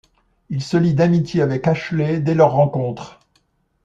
Il se lie d'amitié avec Ashley dès leur rencontre.